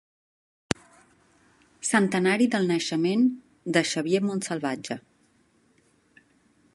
Centenari del naixement de Xavier Montsalvatge.